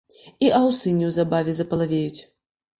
І аўсы неўзабаве запалавеюць!